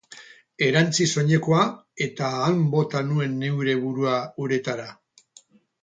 Erantzi soinekoa eta han bota nuen neure burua uretara.